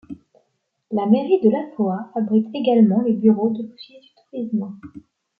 La mairie de La Foa abrite également les bureaux de l'office du tourisme.